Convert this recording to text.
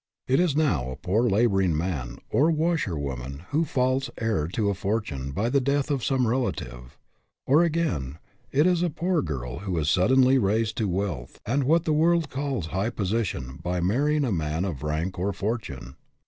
It is now a poor laboring man or washer woman who falls heir to a fortune by the death of some relative ; or, again it is a poor girl who is suddenly raised to wealth and what the world calls high position by marrying a man of rank or fortune.